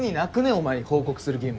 お前に報告する義務。